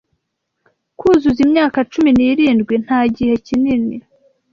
Kuzuza imyaka cumi n'irindwi, nta gihe kinini,